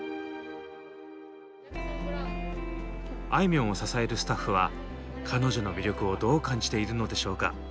あいみょんを支えるスタッフは彼女の魅力をどう感じているのでしょうか？